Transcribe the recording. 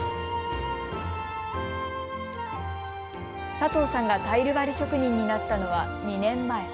佐藤さんがタイル張り職人になったのは２年前。